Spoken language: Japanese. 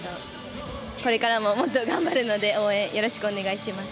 これからももっと頑張るので応援、よろしくお願いします。